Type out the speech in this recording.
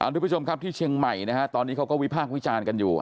ทุกผู้ชมครับที่เชียงใหม่นะฮะตอนนี้เขาก็วิพากษ์วิจารณ์กันอยู่